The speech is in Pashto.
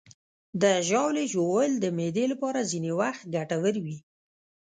د ژاولې ژوول د معدې لپاره ځینې وخت ګټور وي.